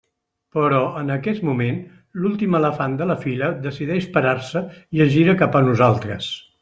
Però, en aquest moment, l'últim elefant de la fila decideix parar-se i es gira cap a nosaltres.